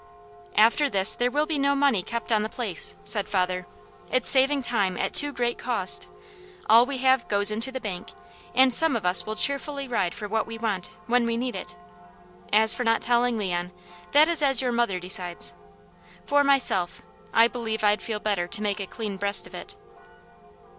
"After this there will be no money kept on the place," said father. "It's saving time at too great cost. All we have goes into the bank, and some of us will cheerfully ride for what we want, when we need it. As for not telling Leon, that is as your mother decides. For myself, I believe I'd feel better to make a clean breast of it."